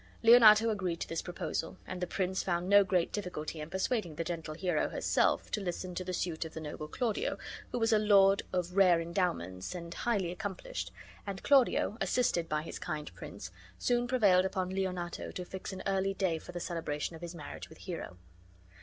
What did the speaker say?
Leonato agreed to this proposal, and the prince found no great difficulty in persuading the gentle Hero herself to listen to the suit of the noble Claudio who was a lord of rare endowments and highly accomplished, and Claudio, assisted by his kind prince, soon prevailed upon Leonato to fix an early day for the celebration of his marriage with Hero.